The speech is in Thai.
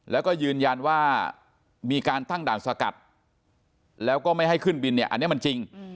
แล้วก็ยืนยันว่ามีการตั้งด่านสกัดแล้วก็ไม่ให้ขึ้นบินเนี่ยอันนี้มันจริง